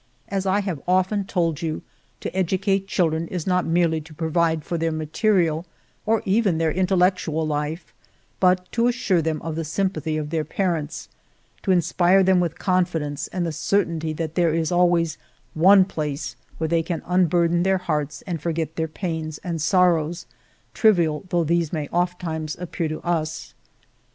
As I have often told you, to educate children is not merely to pro vide for their material, or even their intellectual life, but to assure them of the sympathy of their parents, to inspire them with confidence and the certainty that there is always one place where they can unburden their hearts and forget their pains and sorrows, trivial though these may oft times appear to us.